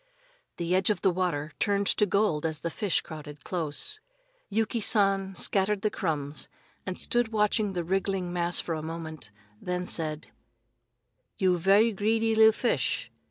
The edge of the water turned to gold as the fish crowded close. Yuki San scattered the crumbs and stood watching the wriggling mass for a moment, then said: "You ve'y greedy li'l fish.